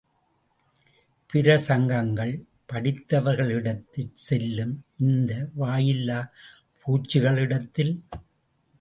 பிரசங்கங்கள் படித்தவர்களிடத்தில் செல்லும் இந்த வாயில்லா பூச்சிகளிடத்தில்?